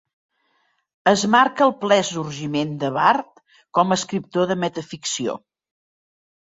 Es marca el ple sorgiment de Barth com a escriptor de metaficció.